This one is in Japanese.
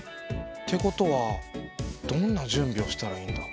ってことはどんな準備をしたらいいんだ。